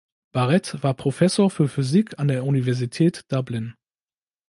Barrett war Professor für Physik an der Universität Dublin.